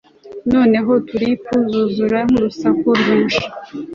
noneho tulipu zuzura nk'urusaku rwinshi